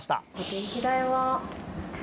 電気代は。